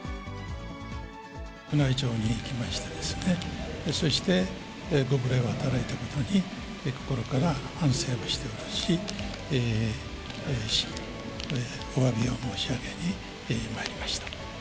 宮内庁に行きましてですね、そしてご無礼を働いたことに、心から反省をしていますし、おわびを申し上げに参りました。